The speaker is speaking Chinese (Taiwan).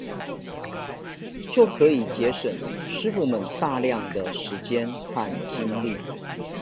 就可以節省師傅們大量的時間和精力